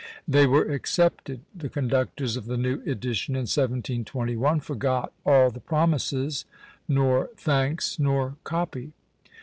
They were accepted. The conductors of the new edition, in 1721, forgot all the promises nor thanks, nor copy!